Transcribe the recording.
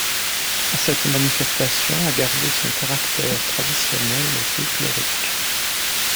Cette manifestation a gardé son caractère traditionnel et folklorique.